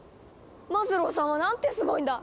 マズローさんはなんてすごいんだ！